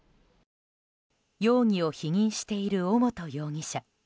容疑を否認している尾本容疑者。